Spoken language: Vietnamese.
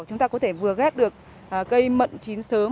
chúng ta có thể vừa ghép được cây mận chín sớm